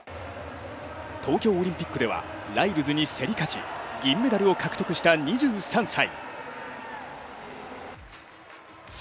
東京オリンピックではライルズに競り勝ち銀メダルを獲得した２３歳。